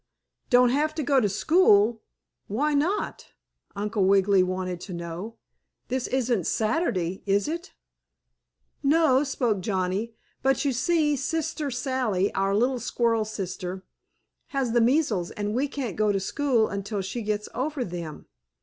"Don't have to go to school? Why not?" Uncle Wiggily wanted to know. "This isn't Saturday, is it?" "No," spoke Johnnie. "But you see, Sister Sallie, our little squirrel sister, has the measles, and we can't go to school until she gets over them."